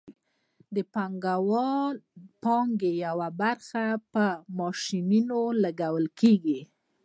د پانګوال د پانګې یوه برخه په ماشینونو لګول کېږي